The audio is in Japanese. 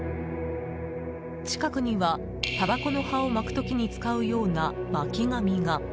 近くにはタバコの葉を巻く時に使うような巻き紙が。